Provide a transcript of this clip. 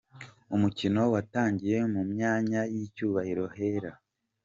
Umukino watangiye mu myanya y'icyubahiro hera.